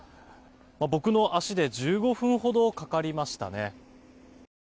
僕の足で１５分ほどかかりましたね。